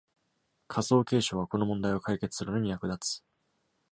仮想継承はこの問題を解決するのに役立つ。